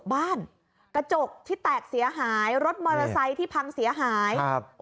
บ้านกระจกที่แตกเสียหายรถมอเตอร์ไซค์ที่พังเสียหายครับ